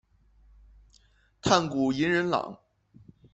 炭谷银仁朗。